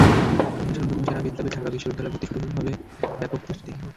বাংলাদেশের অন্যতম সেরা বিদ্যাপীঠ, ঢাকা বিশ্ববিদ্যালয়ে ভর্তি হতে শুরু হবে ব্যাপক প্রস্তুতি।